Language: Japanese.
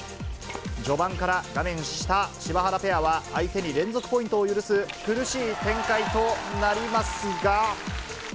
序盤から画面下、柴原ペアは相手に連続ポイントを許す苦しい展開となりますが。